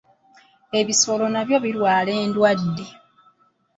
Ebisolo nabyo birwala endwadde.